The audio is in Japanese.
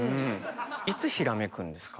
いつひらめくんですか？